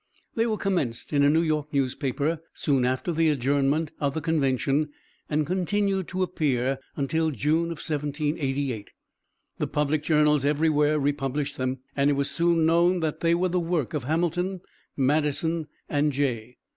They were commenced in a New York newspaper soon after the adjournment of the Convention, and continued to appear until June, 1788. The public journals everywhere republished them, and it was soon known that they were the work of Hamilton, Madison, and Jay.